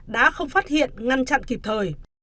đã không phát hiện ngăn chặn kịp thời